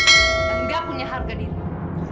gak punya harga diri